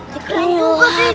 keren tuh kak